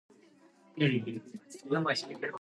犬は庭で元気に遊んでいます。